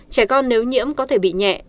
trẻ con nếu nhiễm có thể bị nhẹ